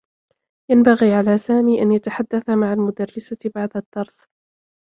ينبغي على سامي أن يتحدّث مع المدرّسة بعد الدّرس.